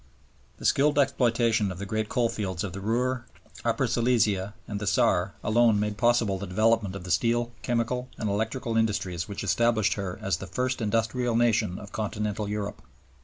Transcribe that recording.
The skilled exploitation of the great coalfields of the Ruhr, Upper Silesia, and the Saar, alone made possible the development of the steel, chemical, and electrical industries which established her as the first industrial nation of continental Europe.